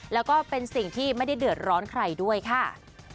แล้วก็เป็นสิ่งที่ไม่ได้เดือดร้อนใครด้วยค่ะ